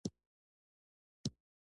ګلان د خدای ښکلی مخلوق دی.